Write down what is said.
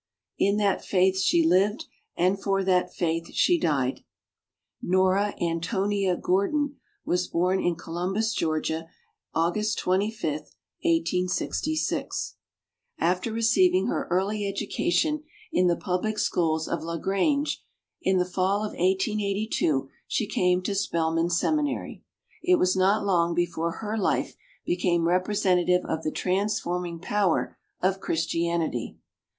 In that faith she lived, and for that faith she died. Nora Antonia Gordon was born in Co lumbus, Georgia, August 25, 1866. After 44 WOMEN OF ACHIEVEMENT receiving her early education in the public schools of La Grange, in the fall of 1882 she came to Spelman Seminary. It was not long before her life became representative of the transforming power of Christianity.